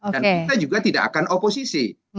kita juga tidak akan oposisi